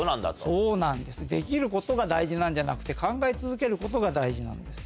そうなんですできることが大事なんじゃなくて考え続けることが大事なんです。